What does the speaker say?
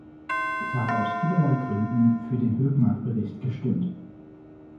Ich habe aus vielerlei Gründen für den Hökmark-Bericht gestimmt.